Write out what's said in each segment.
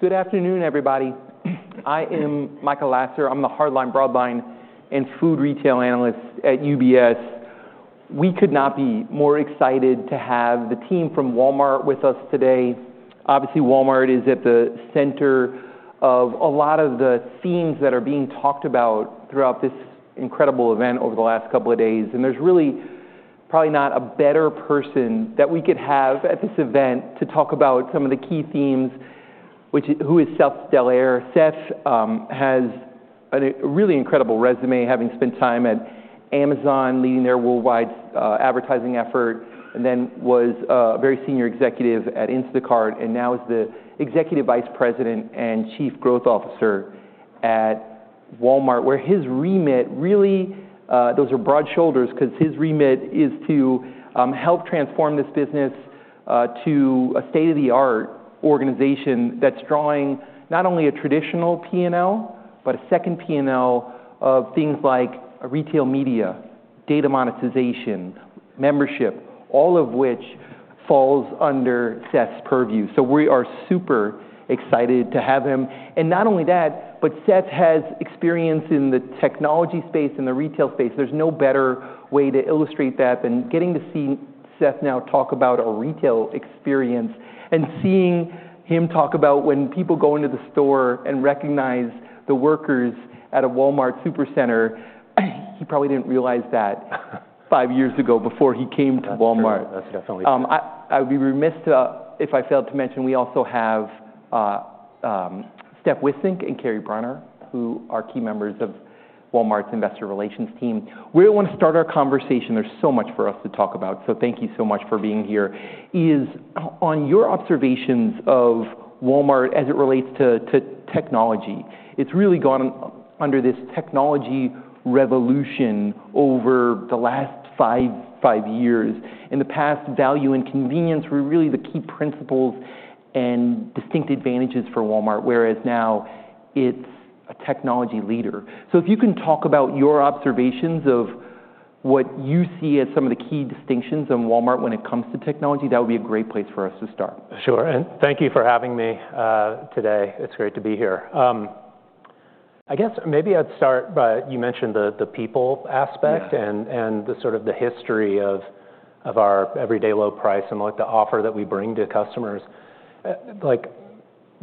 Good afternoon, everybody. I am Michael Lasser. I'm the Hardline Broadline and Food Retail Analyst at UBS. We could not be more excited to have the team from Walmart with us today. Obviously, Walmart is at the center of a lot of the themes that are being talked about throughout this incredible event over the last couple of days. And there's really probably not a better person that we could have at this event to talk about some of the key themes, which is who is Seth Dallaire. Seth has a really incredible resume, having spent time at Amazon, leading their worldwide advertising effort, and then was a very senior executive at Instacart, and now is the Executive Vice President and Chief Growth Officer at Walmart, where his remit really (those are broad shoulders) because his remit is to help transform this business to a state-of-the-art organization that's drawing not only a traditional P&L, but a second P&L of things like retail media, data monetization, membership, all of which falls under Seth's purview, so we are super excited to have him, and not only that, but Seth has experience in the technology space and the retail space. There's no better way to illustrate that than getting to see Seth now talk about a retail experience and seeing him talk about when people go into the store and recognize the workers at a Walmart Supercenter. He probably didn't realize that five years ago before he came to Walmart. That's definitely true. I'd be remiss if I failed to mention we also haveSteph Wissink and Kary Brunner, who are key members of Walmart's investor relations team. Where I want to start our conversation, there's so much for us to talk about, so thank you so much for being here, is on your observations of Walmart as it relates to technology. It's really gone under this technology revolution over the last five years. In the past, value and convenience were really the key principles and distinct advantages for Walmart, whereas now it's a technology leader. So if you can talk about your observations of what you see as some of the key distinctions of Walmart when it comes to technology, that would be a great place for us to start. Sure. And thank you for having me today. It's great to be here. I guess maybe I'd start by, you mentioned the people aspect and the sort of history of our Everyday Low Price and the offer that we bring to customers.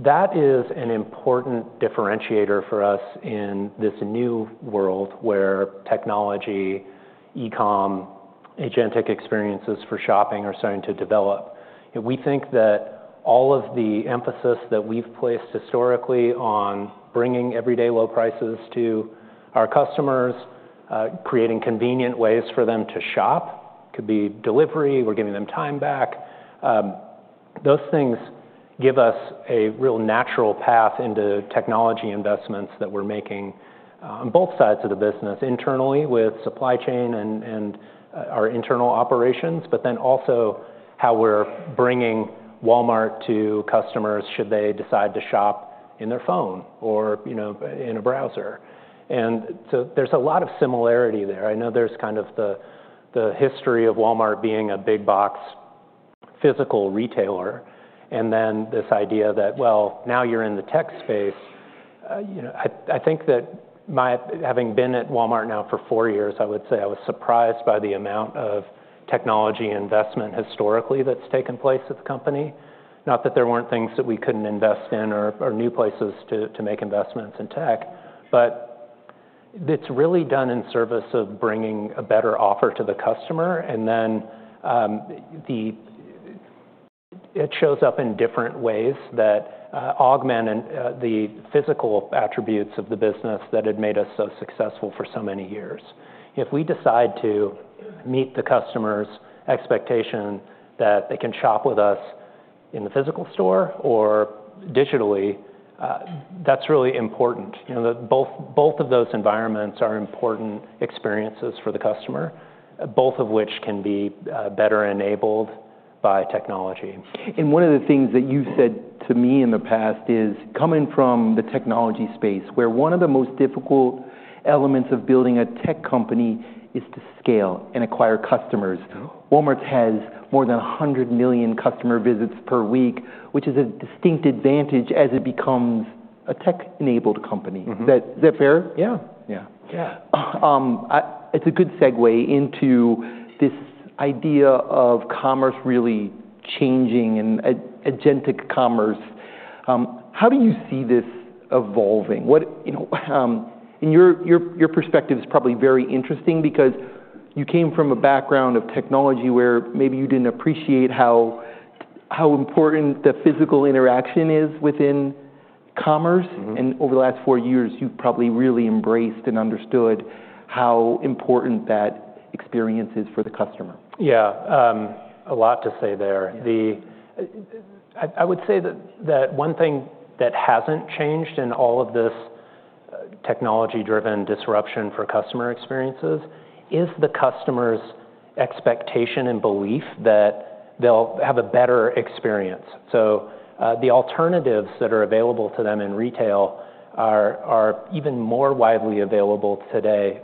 That is an important differentiator for us in this new world where technology, e-com, agentic experiences for shopping are starting to develop. We think that all of the emphasis that we've placed historically on bringing Everyday Low Prices to our customers, creating convenient ways for them to shop, could be delivery or giving them time back, those things give us a real natural path into technology investments that we're making on both sides of the business, internally with supply chain and our internal operations, but then also how we're bringing Walmart to customers should they decide to shop in their phone or in a browser. So there's a lot of similarity there. I know there's kind of the history of Walmart being a big box physical retailer, and then this idea that, well, now you're in the tech space. I think that having been at Walmart now for four years, I would say I was surprised by the amount of technology investment historically that's taken place at the company. Not that there weren't things that we couldn't invest in or new places to make investments in tech, but it's really done in service of bringing a better offer to the customer. Then it shows up in different ways that augment the physical attributes of the business that had made us so successful for so many years. If we decide to meet the customer's expectation that they can shop with us in the physical store or digitally, that's really important. Both of those environments are important experiences for the customer, both of which can be better enabled by technology. One of the things that you've said to me in the past is coming from the technology space, where one of the most difficult elements of building a tech company is to scale and acquire customers. Walmart has more than 100 million customer visits per week, which is a distinct advantage as it becomes a tech-enabled company. Is that fair? Yeah. It's a good segue into this idea of commerce really changing and agentic commerce. How do you see this evolving? Your perspective is probably very interesting because you came from a background of technology where maybe you didn't appreciate how important the physical interaction is within commerce. And over the last four years, you've probably really embraced and understood how important that experience is for the customer. Yeah. A lot to say there. I would say that one thing that hasn't changed in all of this technology-driven disruption for customer experiences is the customer's expectation and belief that they'll have a better experience. So the alternatives that are available to them in retail are even more widely available today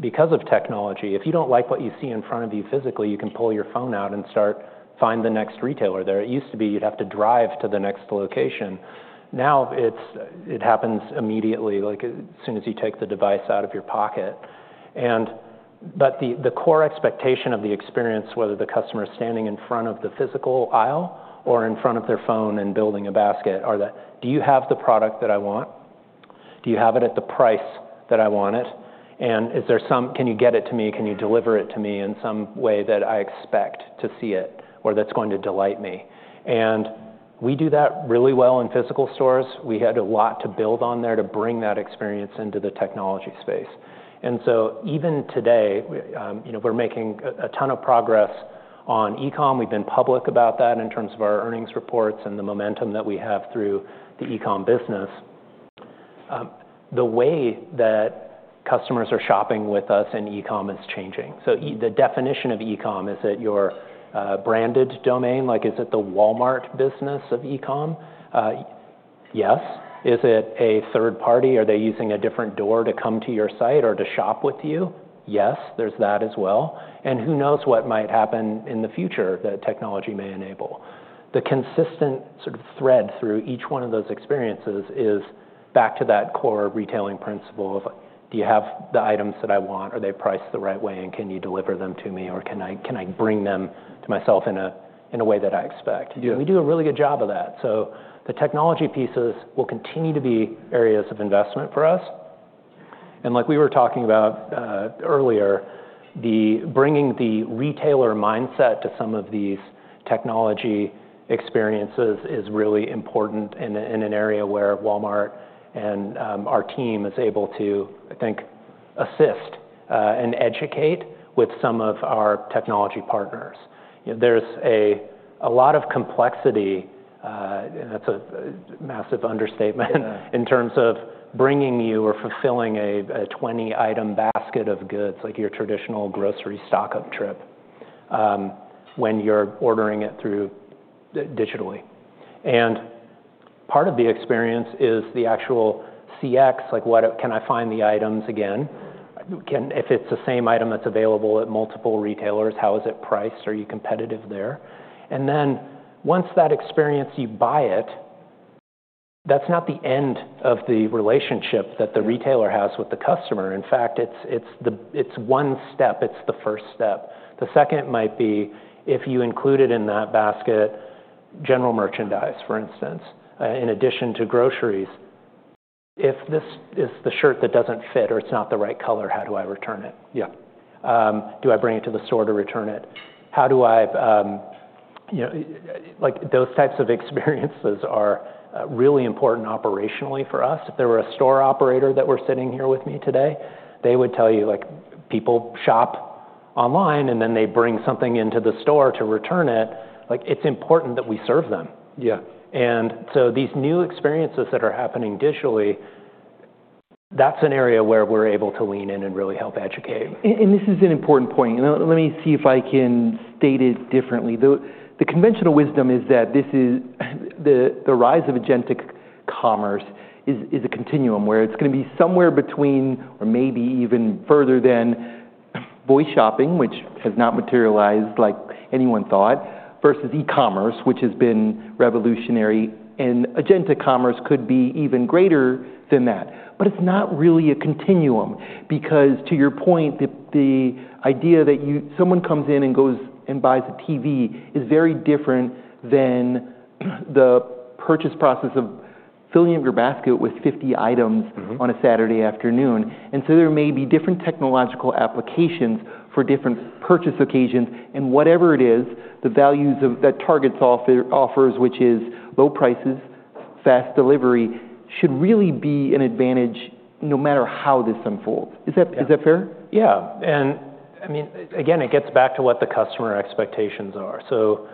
because of technology. If you don't like what you see in front of you physically, you can pull your phone out and find the next retailer there. It used to be you'd have to drive to the next location. Now it happens immediately, as soon as you take the device out of your pocket. But the core expectation of the experience, whether the customer is standing in front of the physical aisle or in front of their phone and building a basket, are that, "Do you have the product that I want? Do you have it at the price that I want it? And can you get it to me? Can you deliver it to me in some way that I expect to see it or that's going to delight me? And we do that really well in physical stores. We had a lot to build on there to bring that experience into the technology space. And so even today, we're making a ton of progress on e-com. We've been public about that in terms of our earnings reports and the momentum that we have through the e-com business. The way that customers are shopping with us in e-com is changing. So the definition of e-com is that your branded domain, is it the Walmart business of e-com? Yes. Is it a third party? Are they using a different door to come to your site or to shop with you? Yes, there's that as well. And who knows what might happen in the future that technology may enable. The consistent thread through each one of those experiences is back to that core retailing principle of, "Do you have the items that I want? Are they priced the right way? And can you deliver them to me? Or can I bring them to myself in a way that I expect?" And we do a really good job of that. So the technology pieces will continue to be areas of investment for us. And like we were talking about earlier, bringing the retailer mindset to some of these technology experiences is really important in an area where Walmart and our team is able to, I think, assist and educate with some of our technology partners. There's a lot of complexity, and that's a massive understatement, in terms of bringing you or fulfilling a 20-item basket of goods, like your traditional grocery stock-up trip, when you're ordering it digitally. And part of the experience is the actual CX, like can I find the items again? If it's the same item that's available at multiple retailers, how is it priced? Are you competitive there? And then once that experience, you buy it, that's not the end of the relationship that the retailer has with the customer. In fact, it's one step. It's the first step. The second might be if you included in that basket general merchandise, for instance, in addition to groceries. If this is the shirt that doesn't fit or it's not the right color, how do I return it? Yeah. Do I bring it to the store to return it? Those types of experiences are really important operationally for us. If there were a store operator that were sitting here with me today, they would tell you, "People shop online, and then they bring something into the store to return it." It's important that we serve them. So these new experiences that are happening digitally, that's an area where we're able to lean in and really help educate. And this is an important point. Let me see if I can state it differently. The conventional wisdom is that the rise of agentic commerce is a continuum where it's going to be somewhere between or maybe even further than voice shopping, which has not materialized like anyone thought, versus e-commerce, which has been revolutionary. And agentic commerce could be even greater than that. But it's not really a continuum because, to your point, the idea that someone comes in and goes and buys a TV is very different than the purchase process of filling up your basket with 50 items on a Saturday afternoon. And so there may be different technological applications for different purchase occasions. And whatever it is, the values that Target offers, which is low prices, fast delivery, should really be an advantage no matter how this unfolds. Is that fair? Yeah, and again, it gets back to what the customer expectations are. So,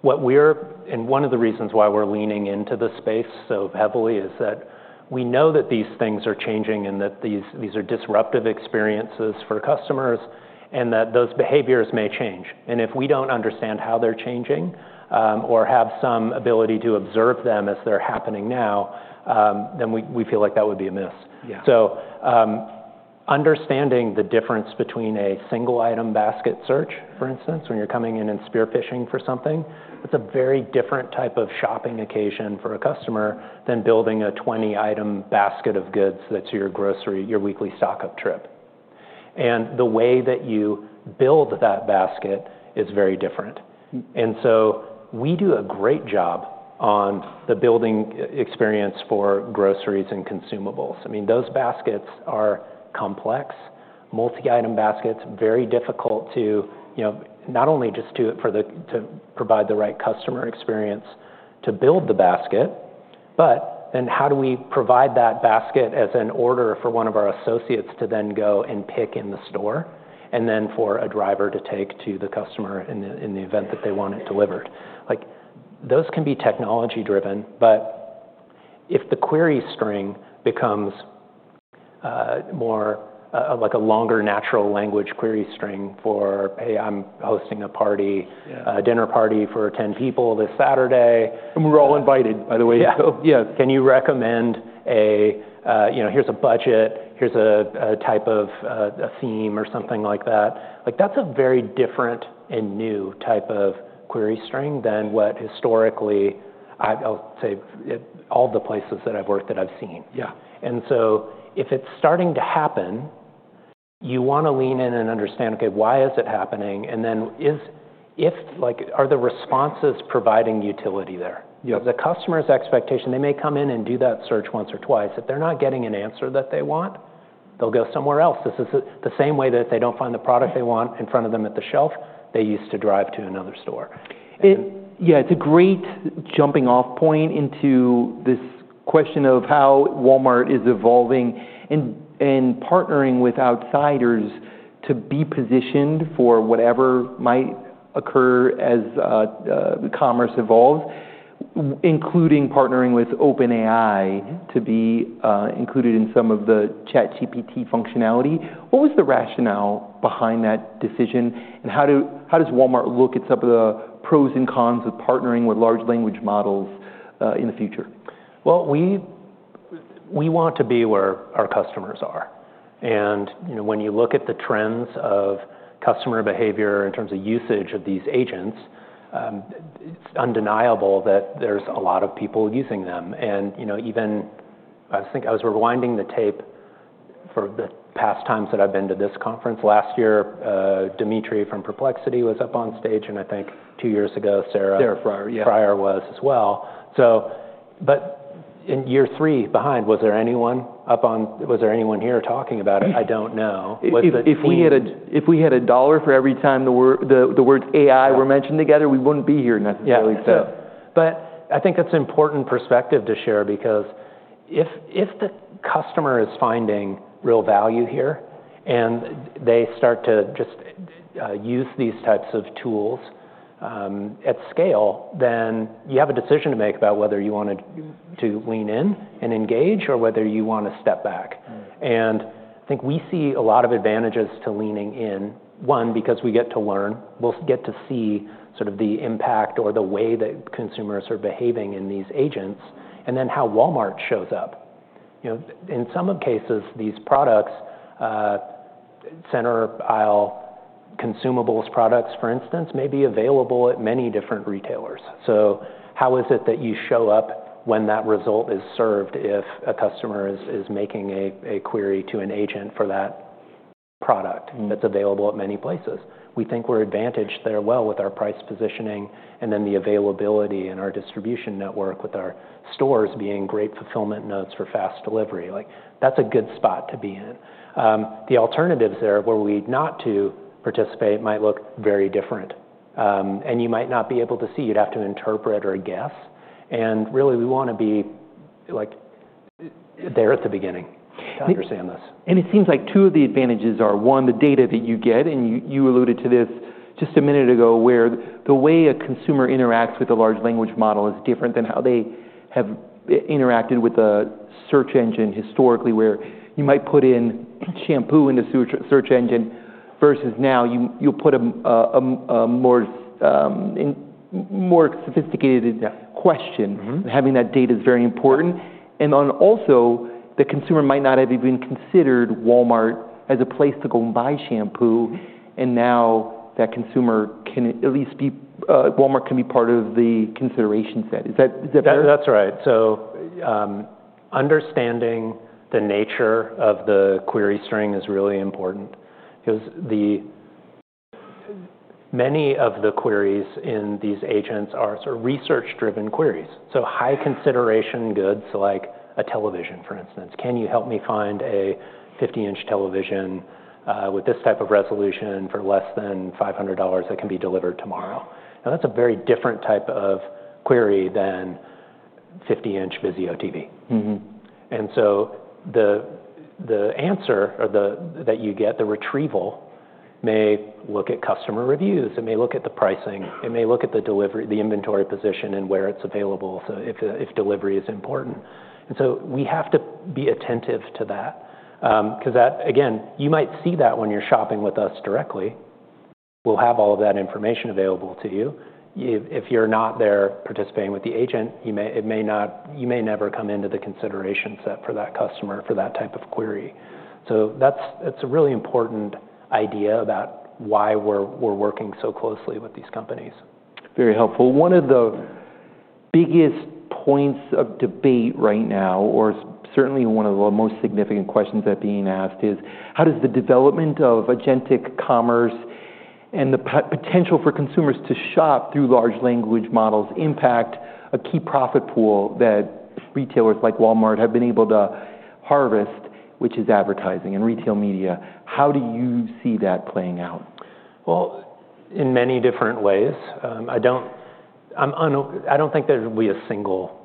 what we're—and one of the reasons why we're leaning into the space so heavily is that we know that these things are changing and that these are disruptive experiences for customers and that those behaviors may change. If we don't understand how they're changing or have some ability to observe them as they're happening now, then we feel like that would be a miss. Understanding the difference between a single-item basket search, for instance, when you're coming in and spearfishing for something, that's a very different type of shopping occasion for a customer than building a 20-item basket of goods that's your grocery, your weekly stock-up trip. The way that you build that basket is very different. We do a great job on the building experience for groceries and consumables. I mean, those baskets are complex, multi-item baskets, very difficult to not only just to provide the right customer experience to build the basket, but then how do we provide that basket as an order for one of our associates to then go and pick in the store and then for a driver to take to the customer in the event that they want it delivered? Those can be technology-driven, but if the query string becomes like a longer natural language query string for "Hey, I'm hosting a dinner party for 10 people this Saturday. And we're all invited, by the way. Yeah. Can you recommend a, "Here's a budget. Here's a type of theme or something like that?" That's a very different and new type of query string than what historically, I'll say, all the places that I've worked that I've seen. And so if it's starting to happen, you want to lean in and understand, "Okay, why is it happening?" And then are the responses providing utility there? The customer's expectation, they may come in and do that search once or twice. If they're not getting an answer that they want, they'll go somewhere else. This is the same way that if they don't find the product they want in front of them at the shelf, they used to drive to another store. Yeah. It's a great jumping-off point into this question of how Walmart is evolving and partnering with outsiders to be positioned for whatever might occur as commerce evolves, including partnering with OpenAI to be included in some of the ChatGPT functionality. What was the rationale behind that decision? And how does Walmart look at some of the pros and cons of partnering with large language models in the future? We want to be where our customers are. When you look at the trends of customer behavior in terms of usage of these agents, it's undeniable that there's a lot of people using them. I was rewinding the tape for the past times that I've been to this conference. Last year, Dimitri from Perplexity was up on stage. I think two years ago, Sarah. Sarah Friar. Friar was as well. But in year three behind, was there anyone up on? Was there anyone here talking about it? I don't know. If we had a dollar for every time the words AI were mentioned together, we wouldn't be here necessarily. Yeah. But I think that's an important perspective to share because if the customer is finding real value here and they start to just use these types of tools at scale, then you have a decision to make about whether you want to lean in and engage or whether you want to step back. And I think we see a lot of advantages to leaning in, one, because we get to learn. We'll get to see the impact or the way that consumers are behaving in these agents and then how Walmart shows up. In some cases, these products, center aisle consumables products, for instance, may be available at many different retailers. So how is it that you show up when that result is served if a customer is making a query to an agent for that product that's available at many places? We think we're advantaged there, well, with our price positioning and then the availability in our distribution network with our stores being great fulfillment nodes for fast delivery. That's a good spot to be in. The alternatives there, where we'd opt not to participate, might look very different, and you might not be able to see. You'd have to interpret or guess, and really, we want to be there at the beginning to understand this. It seems like two of the advantages are, one, the data that you get. You alluded to this just a minute ago where the way a consumer interacts with a large language model is different than how they have interacted with a search engine historically where you might put in shampoo in the search engine versus now you'll put a more sophisticated question. Having that data is very important. Also, the consumer might not have even considered Walmart as a place to go and buy shampoo. Now, that consumer can at least be, Walmart can be part of the consideration set. Is that fair? That's right. So understanding the nature of the query string is really important because many of the queries in these agents are research-driven queries. So high consideration goods like a television, for instance, can you help me find a 50-inch television with this type of resolution for less than $500 that can be delivered tomorrow? Now, that's a very different type of query than 50-inch Vizio TV. And so the answer that you get, the retrieval, may look at customer reviews. It may look at the pricing. It may look at the inventory position and where it's available if delivery is important. And so we have to be attentive to that because, again, you might see that when you're shopping with us directly. We'll have all of that information available to you. If you're not there participating with the agent, you may never come into the consideration set for that customer for that type of query, so that's a really important idea about why we're working so closely with these companies. Very helpful. One of the biggest points of debate right now, or certainly one of the most significant questions that are being asked, is how does the development of agentic commerce and the potential for consumers to shop through large language models impact a key profit pool that retailers like Walmart have been able to harvest, which is advertising and retail media? How do you see that playing out? In many different ways. I don't think there will be a single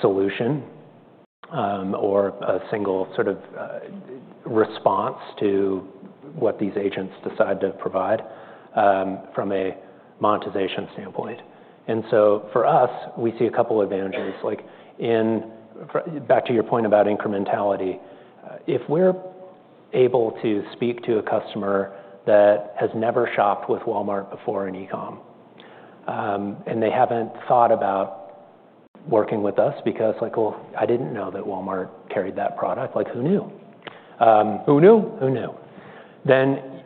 solution or a single response to what these agents decide to provide from a monetization standpoint. And so for us, we see a couple of advantages. Back to your point about incrementality, if we're able to speak to a customer that has never shopped with Walmart before in e-comm and they haven't thought about working with us because, "Well, I didn't know that Walmart carried that product." Who knew? Who knew? Who knew? Then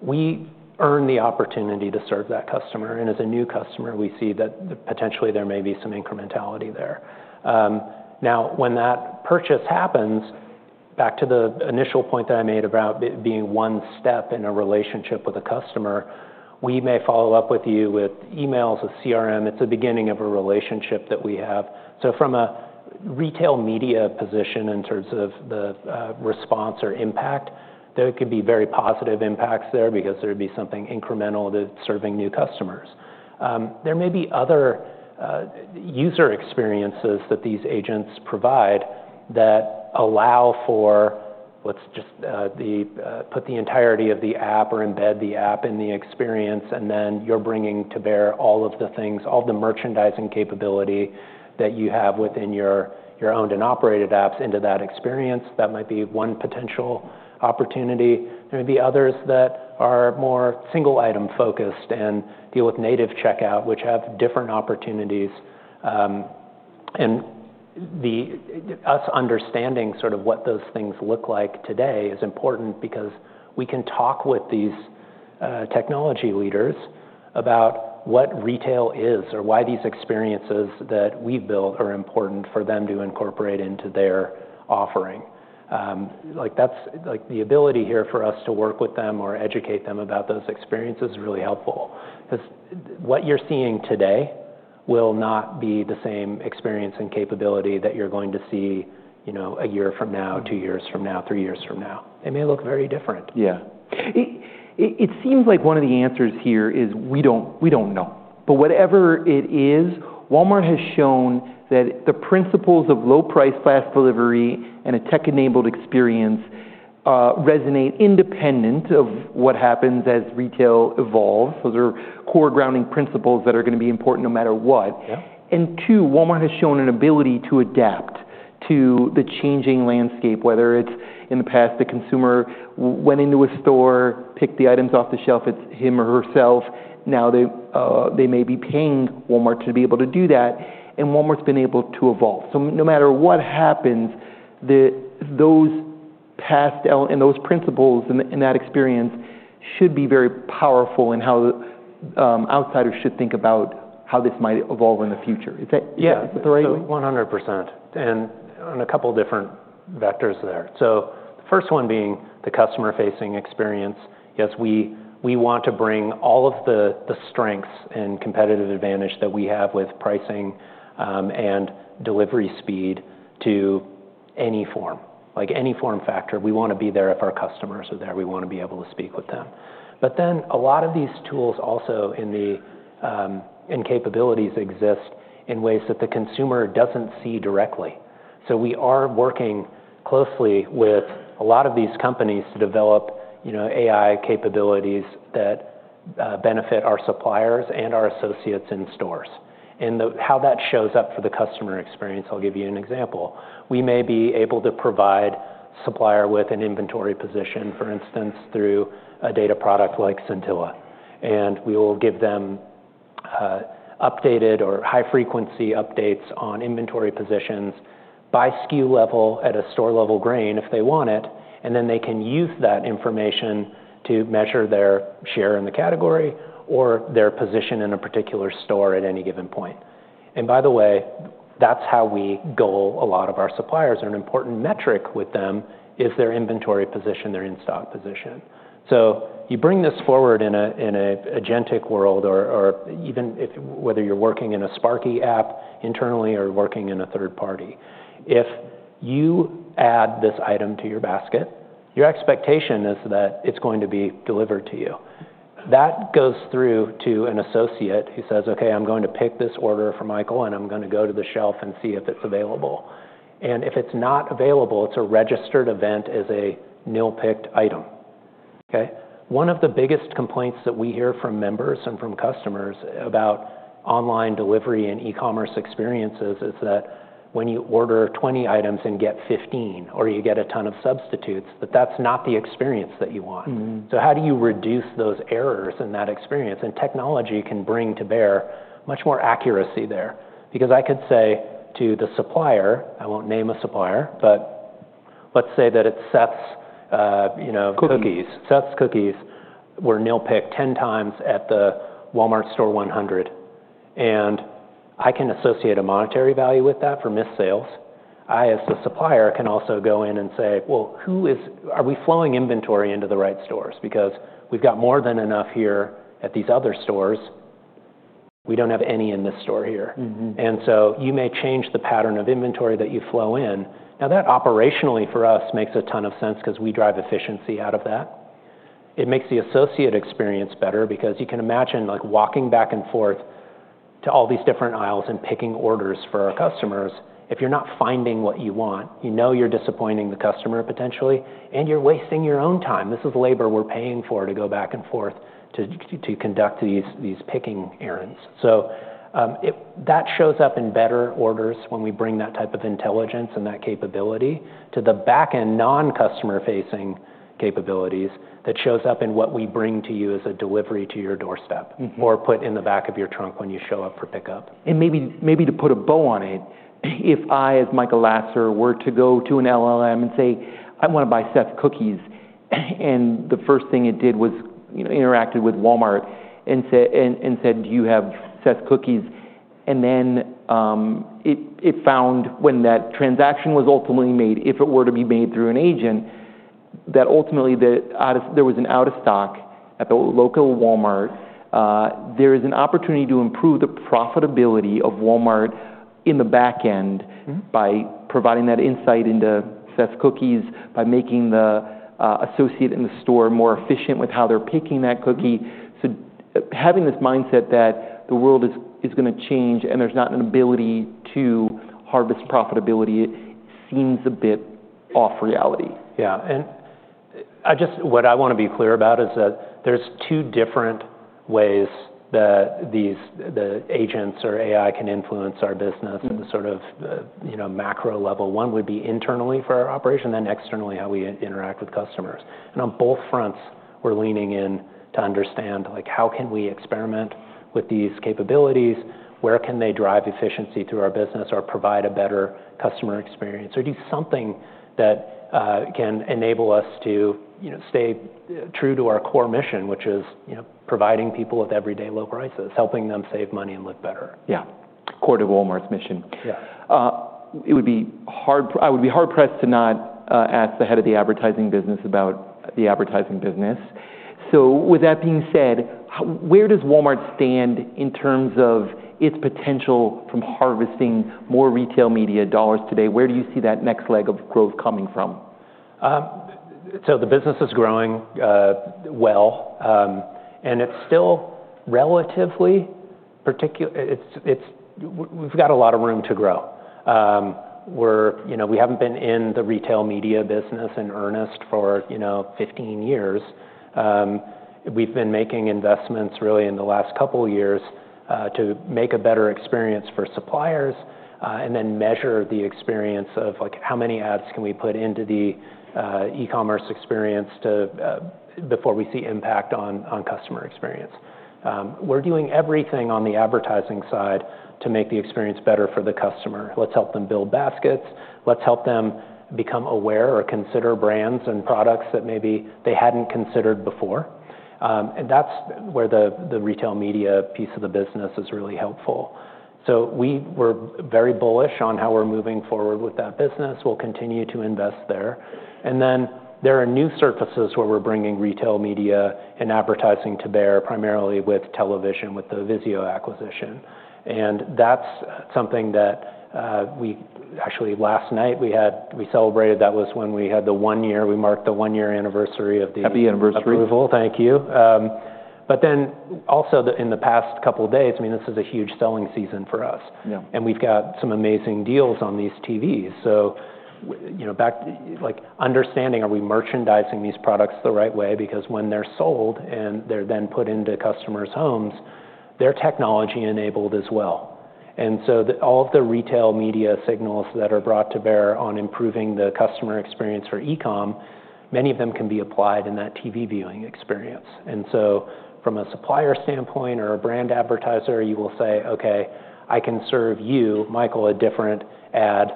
we earn the opportunity to serve that customer. And as a new customer, we see that potentially there may be some incrementality there. Now, when that purchase happens, back to the initial point that I made about it being one step in a relationship with a customer, we may follow up with you with emails, a CRM. It's the beginning of a relationship that we have. So from a retail media position in terms of the response or impact, there could be very positive impacts there because there would be something incremental to serving new customers. There may be other user experiences that these agents provide that allow for, let's just put the entirety of the app or embed the app in the experience, and then you're bringing to bear all of the things, all the merchandising capability that you have within your owned and operated apps into that experience. That might be one potential opportunity. There may be others that are more single-item focused and deal with native checkout, which have different opportunities, and us understanding what those things look like today is important because we can talk with these technology leaders about what retail is or why these experiences that we've built are important for them to incorporate into their offering. The ability here for us to work with them or educate them about those experiences is really helpful because what you're seeing today will not be the same experience and capability that you're going to see a year from now, two years from now, three years from now. They may look very different. Yeah. It seems like one of the answers here is we don't know. But whatever it is, Walmart has shown that the principles of low price, fast delivery, and a tech-enabled experience resonate independent of what happens as retail evolves. Those are core grounding principles that are going to be important no matter what. And two, Walmart has shown an ability to adapt to the changing landscape, whether it's in the past the consumer went into a store, picked the items off the shelf, it's him or herself. Now they may be paying Walmart to be able to do that. And Walmart's been able to evolve. So no matter what happens, those paths and those principles and that experience should be very powerful in how outsiders should think about how this might evolve in the future. Is that right? Yeah. 100%. And on a couple of different vectors there. So the first one being the customer-facing experience. Yes, we want to bring all of the strengths and competitive advantage that we have with pricing and delivery speed to any form, any form factor. We want to be there if our customers are there. We want to be able to speak with them. But then a lot of these tools also and capabilities exist in ways that the consumer doesn't see directly. So we are working closely with a lot of these companies to develop AI capabilities that benefit our suppliers and our associates in stores. And how that shows up for the customer experience, I'll give you an example. We may be able to provide a supplier with an inventory position, for instance, through a data product like Luminate. And we will give them updated or high-frequency updates on inventory positions by SKU level at a store-level grain if they want it. And then they can use that information to measure their share in the category or their position in a particular store at any given point. And by the way, that's how we goal a lot of our suppliers. An important metric with them is their inventory position, their in-stock position. So you bring this forward in an agentic world or even whether you're working in a Sparky app internally or working in a third party. If you add this item to your basket, your expectation is that it's going to be delivered to you. That goes through to an associate who says, "Okay, I'm going to pick this order for Michael, and I'm going to go to the shelf and see if it's available," and if it's not available, it's a registered event as a nil-pick. One of the biggest complaints that we hear from members and from customers about online delivery and e-commerce experiences is that when you order 20 items and get 15 or you get a ton of substitutes, that's not the experience that you want. How do you reduce those errors in that experience? Technology can bring to bear much more accuracy there because I could say to the supplier, I won't name a supplier, but let's say that it's Seth's. Cookies. Seth's Cookies were nil-picked 10x at the Walmart Store 100, and I can associate a monetary value with that for missed sales. I, as the supplier, can also go in and say, "Well, are we flowing inventory into the right stores? Because we've got more than enough here at these other stores. We don't have any in this store here," and so you may change the pattern of inventory that you flow in. Now, that operationally for us makes a ton of sense because we drive efficiency out of that. It makes the associate experience better because you can imagine walking back and forth to all these different aisles and picking orders for our customers. If you're not finding what you want, you know you're disappointing the customer potentially, and you're wasting your own time. This is labor we're paying for to go back and forth to conduct these picking errands, so that shows up in better orders when we bring that type of intelligence and that capability to the back-end non-customer-facing capabilities that shows up in what we bring to you as a delivery to your doorstep or put in the back of your trunk when you show up for pickup. And maybe to put a bow on it, if I, as Michael Lasser, were to go to an LLM and say, "I want to buy Seth's Cookies," and the first thing it did was interacted with Walmart and said, "Do you have Seth's Cookies?" And then it found when that transaction was ultimately made, if it were to be made through an agent, that ultimately there was an out-of-stock at the local Walmart. There is an opportunity to improve the profitability of Walmart in the back-end by providing that insight into Seth's Cookies, by making the associate in the store more efficient with how they're picking that cookie. So having this mindset that the world is going to change and there's not an ability to harvest profitability seems a bit off reality. Yeah. And what I want to be clear about is that there's two different ways that the agents or AI can influence our business at the macro level. One would be internally for our operation, then externally how we interact with customers. And on both fronts, we're leaning in to understand how can we experiment with these capabilities? Where can they drive efficiency through our business or provide a better customer experience? Or do something that can enable us to stay true to our core mission, which is providing people with Everyday Low Prices, helping them save money and live better. Yeah. Core to Walmart's mission. I would be hard-pressed to not ask the head of the advertising business about the advertising business. So with that being said, where does Walmart stand in terms of its potential from harvesting more retail media dollars today? Where do you see that next leg of growth coming from? So the business is growing well. And it's still relatively particular. We've got a lot of room to grow. We haven't been in the retail media business in earnest for 15 years. We've been making investments really in the last couple of years to make a better experience for suppliers and then measure the experience of how many ads can we put into the e-commerce experience before we see impact on customer experience. We're doing everything on the advertising side to make the experience better for the customer. Let's help them build baskets. Let's help them become aware or consider brands and products that maybe they hadn't considered before. And that's where the retail media piece of the business is really helpful. So we were very bullish on how we're moving forward with that business. We'll continue to invest there. And then there are new surfaces where we're bringing retail media and advertising to bear primarily with television, with the Vizio acquisition. And that's something that we actually last night we celebrated. That was when we marked the one-year anniversary of the. Happy anniversary. Approval. Thank you. But then also in the past couple of days, I mean, this is a huge selling season for us. And we've got some amazing deals on these TVs. So understanding are we merchandising these products the right way? Because when they're sold and they're then put into customers' homes, they're technology-enabled as well. And so all of the retail media signals that are brought to bear on improving the customer experience for e-comm, many of them can be applied in that TV viewing experience. And so from a supplier standpoint or a brand advertiser, you will say, "Okay, I can serve you, Michael, a different ad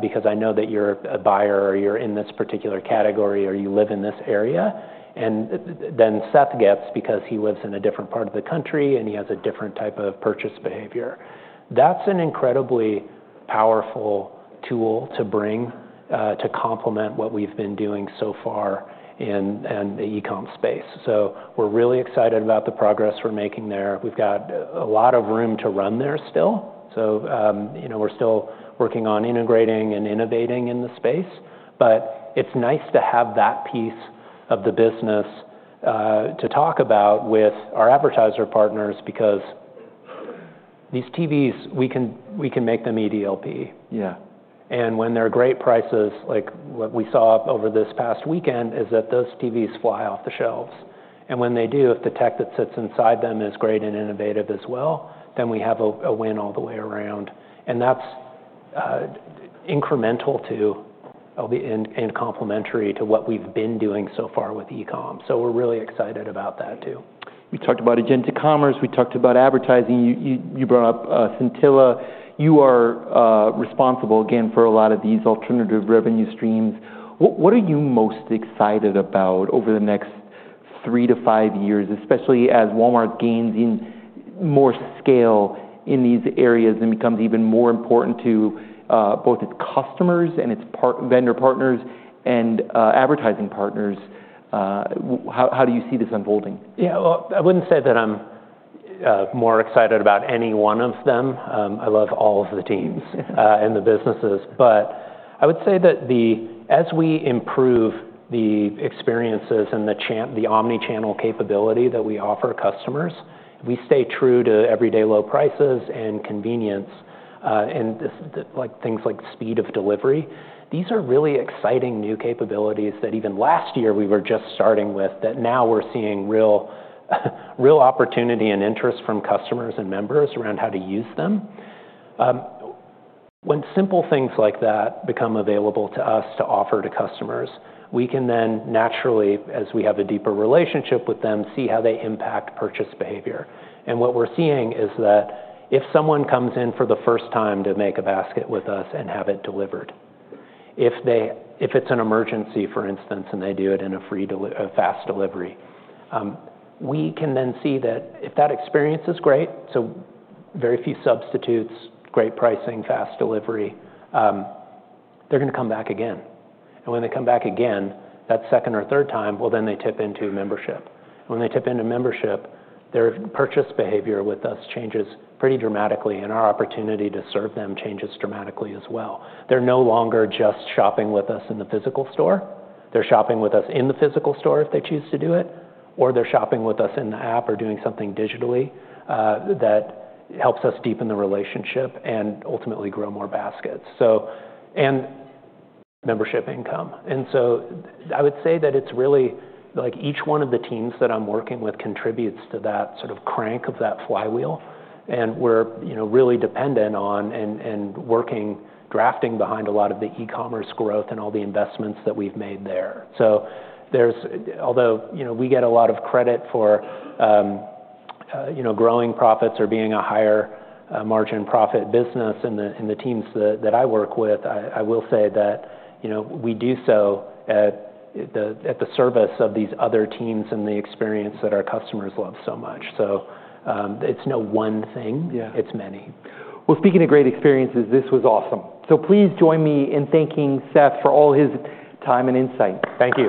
because I know that you're a buyer or you're in this particular category or you live in this area." And then Seth gets because he lives in a different part of the country and he has a different type of purchase behavior. That's an incredibly powerful tool to bring to complement what we've been doing so far in the e-comm space. So we're really excited about the progress we're making there. We've got a lot of room to run there still. So we're still working on integrating and innovating in the space. But it's nice to have that piece of the business to talk about with our advertiser partners because these TVs, we can make them EDLP. And when there are great prices, like what we saw over this past weekend, those TVs fly off the shelves. And when they do, if the tech that sits inside them is great and innovative as well, then we have a win all the way around. And that's incremental to and complementary to what we've been doing so far with e-comm. So we're really excited about that too. We talked about agentic commerce. We talked about advertising. You brought up Sentilla. You are responsible, again, for a lot of these alternative revenue streams. What are you most excited about over the next three to five years, especially as Walmart gains more scale in these areas and becomes even more important to both its customers and its vendor partners and advertising partners? How do you see this unfolding? Yeah. Well, I wouldn't say that I'm more excited about any one of them. I love all of the teams and the businesses. But I would say that as we improve the experiences and the omnichannel capability that we offer customers, we stay true to everyday low prices and convenience and things like speed of delivery. These are really exciting new capabilities that even last year we were just starting with that now we're seeing real opportunity and interest from customers and members around how to use them. When simple things like that become available to us to offer to customers, we can then naturally, as we have a deeper relationship with them, see how they impact purchase behavior. What we're seeing is that if someone comes in for the first time to make a basket with us and have it delivered, if it's an emergency, for instance, and they do it in a fast delivery, we can then see that if that experience is great, so very few substitutes, great pricing, fast delivery, they're going to come back again. When they come back again, that second or third time, well, then they tip into membership. When they tip into membership, their purchase behavior with us changes pretty dramatically, and our opportunity to serve them changes dramatically as well. They're no longer just shopping with us in the physical store. They're shopping with us in the physical store if they choose to do it, or they're shopping with us in the app or doing something digitally that helps us deepen the relationship and ultimately grow more baskets. And membership income. And so, I would say that it's really each one of the teams that I'm working with contributes to that sort of crank of that flywheel. And we're really dependent on and working, drafting behind a lot of the e-commerce growth and all the investments that we've made there. So although we get a lot of credit for growing profits or being a higher margin profit business in the teams that I work with, I will say that we do so at the service of these other teams and the experience that our customers love so much. So it's no one thing. It's many. Speaking of great experiences, this was awesome. Please join me in thanking Seth for all his time and insight. Thank you.